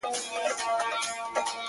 زړه چي ستا عشق اکبر کي را ايسار دی~